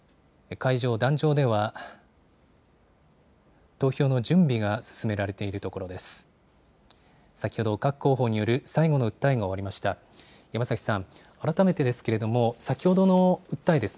会場、壇上では投票の準備が進められているところです。